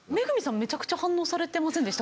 めちゃくちゃ反応されてませんでした？